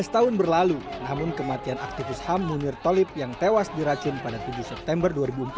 tujuh belas tahun berlalu namun kematian aktivis ham munir tolib yang tewas diracun pada tujuh september dua ribu empat belas